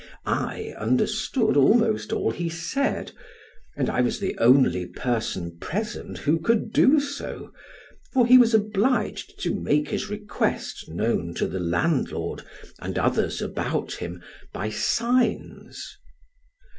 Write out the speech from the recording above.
I understood almost all he said, and I was the only person present who could do so, for he was obliged to make his request known to the landlord and others about him by signs.